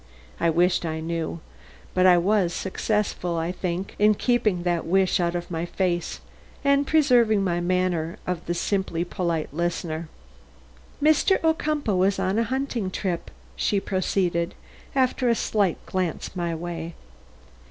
I wished I knew; but I was successful, I think, in keeping that wish out of my face, and preserving my manner of the simply polite listener. "Mr. Ocumpaugh was on a hunting trip," she proceeded, after a slight glance my way.